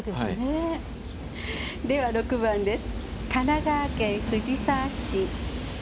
では６番です。